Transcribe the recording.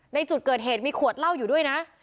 ในจุดเกิดเหตุมีขวดเหล้าอยู่ด้วยนะ